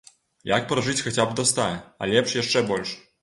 Як пражыць хаця б да ста, а лепш яшчэ больш?